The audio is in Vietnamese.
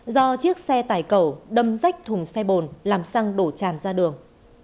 do chiếc xe tải cẩu đâm rách thùng xe bồn làm xăng đổ tràn ra đường